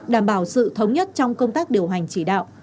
đảm bảo sự thống nhất trong công tác điều hành chỉ đạo